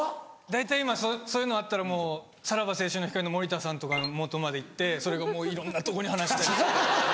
大体そういうのあったらもうさらば青春の光の森田さんとかのもとまで行ってそれがもういろんなとこに話したりして。